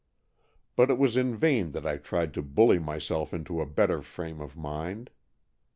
But it was in vain that I tried to bully myself into a better frame of mind.